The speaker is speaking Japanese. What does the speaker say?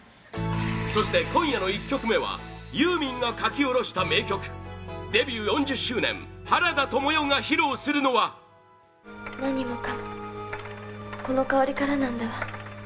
そして今夜の１曲目はユーミンが書き下ろした名曲デビュー４０周年原田知世が披露するのは和子：何もかもこの香りからなんだわ。